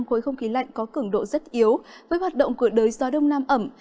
khối không khí lạnh có cường độ rất yếu với hoạt động của đới gió đông nam ẩm